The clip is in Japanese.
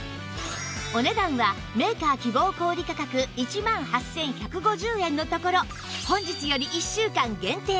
お値段はメーカー希望小売価格１万８１５０円のところ本日より１週間限定